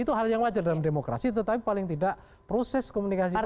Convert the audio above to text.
itu hal yang wajar dalam demokrasi tetapi paling tidak proses komunikasi politik